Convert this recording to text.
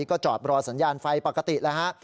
ก็จอดรอสัญญาณไฟปกติแล้วฮะ